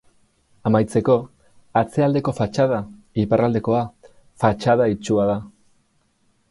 Amaitzeko, atzealdeko fatxada, iparraldekoa, fatxada itsua da.